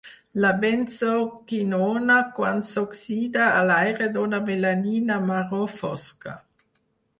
La benzoquinona quan s'oxida a l'aire dóna melanina marró fosca.